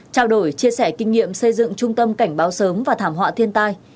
trao đổi chia sẻ kinh nghiệm xây dựng trung tâm cảnh báo sớm và thảm họa thiên tai